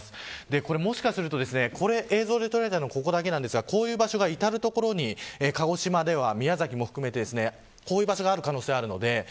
もしかすると映像で捉えたのはここだけですがこういう場所は至る所に鹿児島、宮崎ではこういう場所がある可能性があります。